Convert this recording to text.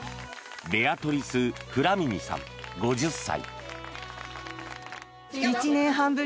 ベアトリス・フラミニさん５０歳。